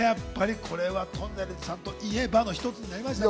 これは、とんねるずさんと言えばの一つになりましたね。